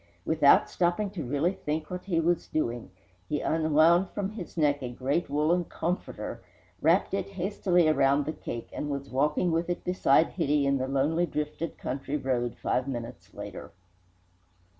Without stopping to really think what he was doing, he unwound from his neck his great woollen "comforter," wrapped it hastily around the cake, and was walking with it beside Hitty in the lonely, drifted country road five minutes later.